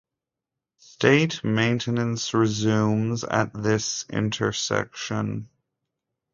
State maintenance resumes at this intersection.